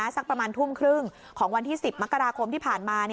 สักประมาณทุ่มครึ่งของวันที่๑๐มกราคมที่ผ่านมา